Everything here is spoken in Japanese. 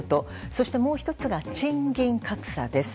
そしてもう１つが賃金格差です。